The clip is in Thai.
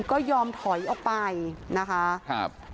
ขอบคุณครับขอบคุณครับ